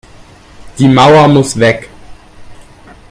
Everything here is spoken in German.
Die Mauer muss weg!